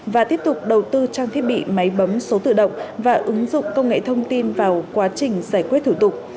và tiếp tục đầu tư trang thiết bị máy bấm số tự động và ứng dụng công nghệ thông tin vào quá trình giải quyết thủ tục